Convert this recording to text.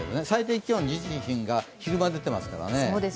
最低気温が昼間に出ていますからね。